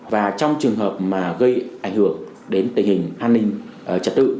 và trong trường hợp mà gây ảnh hưởng đến tình hình an ninh trật tự